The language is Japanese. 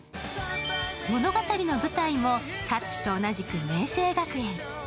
物語の舞台も「タッチ」と同じく明青学園。